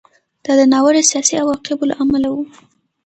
دا د ناوړه سیاسي عواقبو له امله و